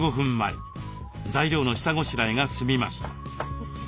材料の下ごしらえが済みました。